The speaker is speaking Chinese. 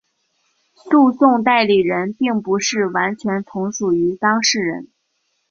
诉讼代理人并不是完全从属于当事人。